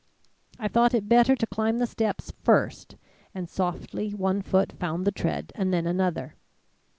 I thought it better to climb the steps first, and softly one foot found the tread and then another.